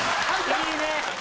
いいね。